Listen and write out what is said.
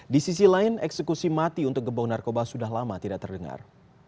di sisi lain eksekusi mati untuk gebong narkoba sudah lama tidak terdengar